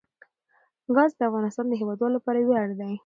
ګاز د افغانستان د هیوادوالو لپاره ویاړ دی.